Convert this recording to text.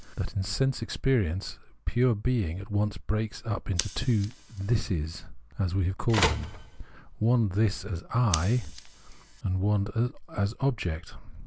that in sense experi ence pure being at once breaks up into the two " thises," as we have called them, one this as I, and one as object.